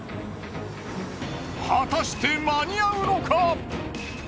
果たして間に合うのか！？